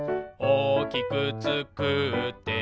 「おおきくつくって」